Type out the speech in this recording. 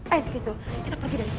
ayo kita pergi dari sini